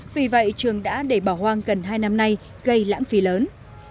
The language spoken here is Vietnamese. vì vậy trường đã để bỏ hoang gần hai năm nay gây lãng phí lớn